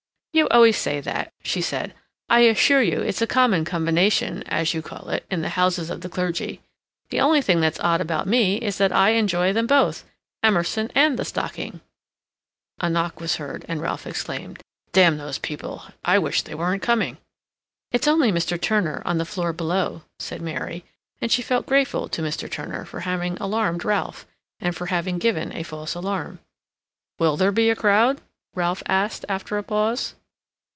"You always say that," she said. "I assure you it's a common 'combination,' as you call it, in the houses of the clergy. The only thing that's odd about me is that I enjoy them both—Emerson and the stocking." A knock was heard, and Ralph exclaimed: "Damn those people! I wish they weren't coming!" "It's only Mr. Turner, on the floor below," said Mary, and she felt grateful to Mr. Turner for having alarmed Ralph, and for having given a false alarm. "Will there be a crowd?" Ralph asked, after a pause.